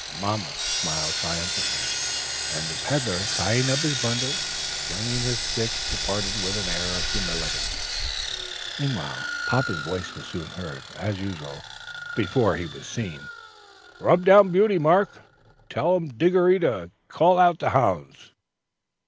Mamma smiled triumphantly, and the peddler, tying up his bundle and slinging his stick, departed with an air of humility. Papa's voice was soon heard, as usual, before he was seen. "Rub down Beauty, Mark, and tell Diggory to call out the hounds."